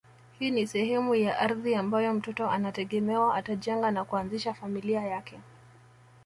Hii ni sehemu ya ardhi ambayo mtoto anategemewa atajenga na kuanzisha familia yake